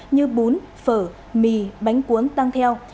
như bún phở mì bánh cuốn tăng theo